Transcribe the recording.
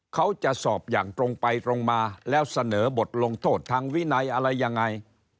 เขาจะสอบอย่างตรงไปตรงมาแล้วเสนอบทลงโทษทางวินัยอะไรยังไง